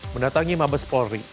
mendatangi mabes polri